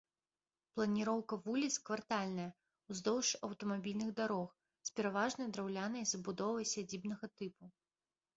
Планіроўка вуліц квартальная, уздоўж аўтамабільных дарог, з пераважна драўлянай забудовай сядзібнага тыпу.